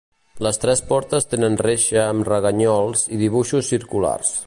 Les tres portes tenen reixa amb reganyols i dibuixos circulars.